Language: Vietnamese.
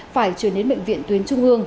phải chuyển đến bệnh viện tuyến trung ương